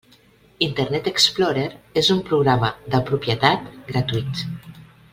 Internet Explorer és un programa de propietat gratuït.